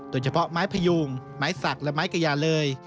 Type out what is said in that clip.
โดยเฉพาะไม้พยุงไม้สักและไม้กระยาเลย